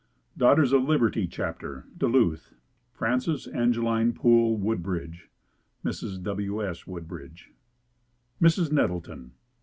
DAUGHTERS OF LIBERTY CHAPTER Duluth FRANCES ANGELINE POOLE WOODBRIDGE (Mrs. W. S. Woodbridge) Mrs. Nettleton.